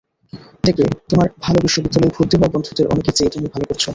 দেখবে, তোমার ভালো বিশ্ববিদ্যালয়ে ভর্তি হওয়া বন্ধুদের অনেকের চেয়ে তুমি ভালো করছ।